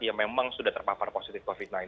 yang positif covid sembilan belas